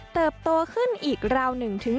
เติบโตขึ้นอีกราว๑๑๕